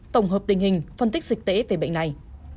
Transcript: tổng hợp tình hình phân tích dịch tễ về bệnh này